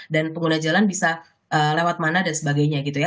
dan pengguna jalan bisa lewat mana dan sebagainya gitu ya